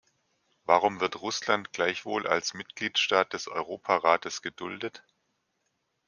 Warum wird Russland gleichwohl als Mitgliedstaat des Europarates geduldet?